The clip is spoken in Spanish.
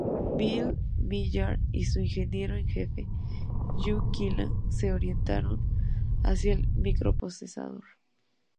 Bill Millard y su ingeniero en jefe, Joe Killian, se orientaron hacia el microprocesador.